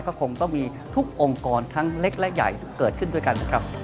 ก็คงต้องมีทุกองค์กรทั้งเล็กและใหญ่เกิดขึ้นด้วยกันนะครับ